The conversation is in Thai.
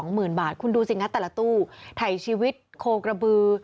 สองหมื่นบาทคุณดูสิงัดแต่ละตู้ถ่ายชีวิตโครกระบือ